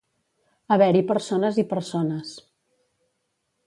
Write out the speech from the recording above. Haver-hi persones i persones.